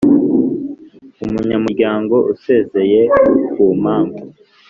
Umunyamuryango usezeye ku mpamvu